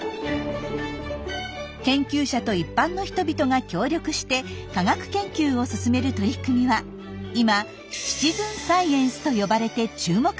研究者と一般の人々が協力して科学研究を進める取り組みは今「シチズンサイエンス」と呼ばれて注目されています。